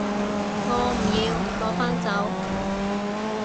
我唔要，攞返走